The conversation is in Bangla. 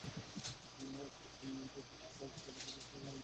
একপর্যায়ে মঞ্চে কেবল ট্র্যাক চালু রেখে গান গাওয়াই বন্ধ করে দিয়েছিলেন।